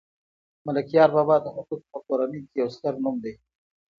ملکیار بابا د هوتکو په کورنۍ کې یو ستر نوم دی